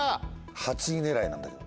８位狙いなんだけど。